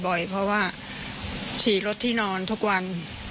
บ่อยเพราะว่าขี่รถที่นอนทุกวัน